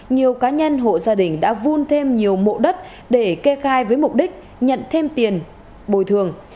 nhiều cá nhân hộ gia đình đã vun thêm nhiều mộ đất để kê khai với mục đích nhận thêm tiền bồi thường